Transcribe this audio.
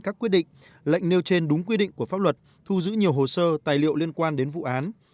các quyết định lệnh nêu trên đúng quy định của pháp luật thu giữ nhiều hồ sơ tài liệu liên quan đến vụ án